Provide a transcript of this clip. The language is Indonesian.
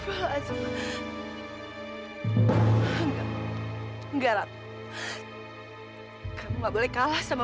enggak mau ratu